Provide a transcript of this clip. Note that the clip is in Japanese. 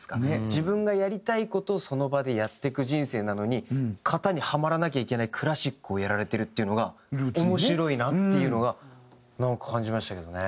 自分がやりたい事をその場でやっていく人生なのに型にハマらなきゃいけないクラシックをやられてるっていうのが面白いなっていうのがなんか感じましたけどね。